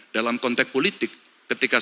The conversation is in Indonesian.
seratus tahun indonesia